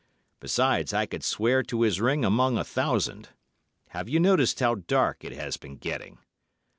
Besides, I could swear to his ring among a thousand. Have you noticed how dark it has been getting?